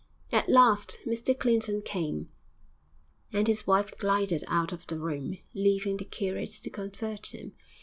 At last Mr Clinton came, and his wife glided out of the room, leaving the curate to convert him.